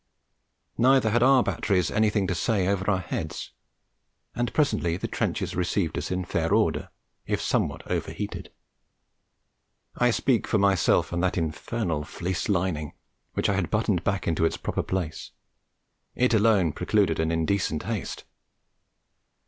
Neither had our own batteries anything to say over our heads; and presently the trenches received us in fair order, if somewhat over heated. I speak for myself and that infernal fleece lining, which I had buttoned back into its proper place. It alone precluded an indecent haste.